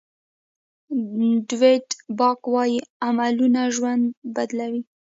ډویډ باک وایي عملونه ژوند بدلوي.